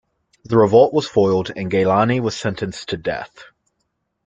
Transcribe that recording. The revolt was foiled and Gaylani was sentenced to death.